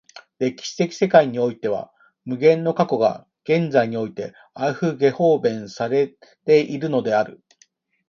歴史的世界においては無限の過去が現在においてアウフゲホーベンされているのである。